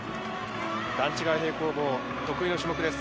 段違い平行棒、得意の種目です。